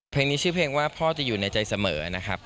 เพลงนี้ชื่อเพลงว่าพ่อจะอยู่ในใจเสมอนะครับ